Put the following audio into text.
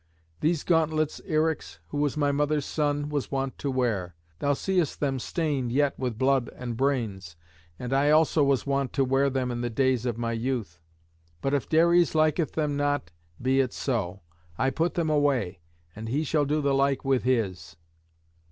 These gauntlets Eryx, who was my mother's son, was wont to wear: thou seest them stained yet with blood and brains, and I also was wont to wear them in the days of my youth. But if Dares liketh them not, be it so; I put them away, and he shall do the like with his."